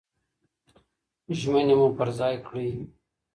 ژمني مو پر ځای کړئ.